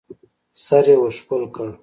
سر يې ورښکل کړ.